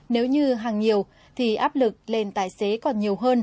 nếu như hàng nhiều thì áp lực lên tài xế còn nhiều hơn